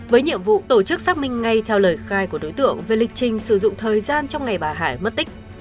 với nhiệm vụ tổ chức xác minh ngay theo lời khai của đối tượng về lịch trình sử dụng thời gian trong ngày bà hải mất tích